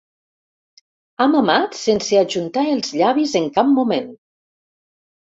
Ha mamat sense ajuntar els llavis en cap moment.